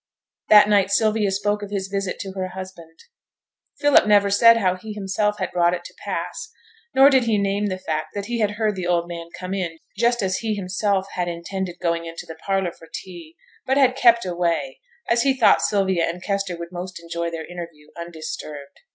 That night Sylvia spoke of his visit to her husband. Philip never said how he himself had brought it to pass, nor did he name the fact that he had heard the old man come in just as he himself had intended going into the parlour for tea, but had kept away, as he thought Sylvia and Kester would most enjoy their interview undisturbed.